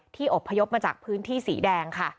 ที่อบพยพมาจากพื้นที่สีแดง